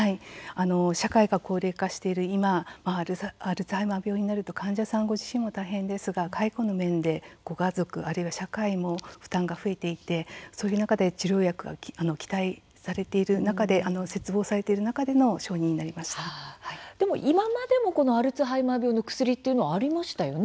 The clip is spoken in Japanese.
社会が高齢化している今アルツハイマー病になると患者さんご自身も大変ですが介護の面で、ご家族あるいは社会の負担が増えていってそういう中で、治療薬が期待されているという中で切望されている中でのこれまでもアルツハイマー病の薬はありましたよね。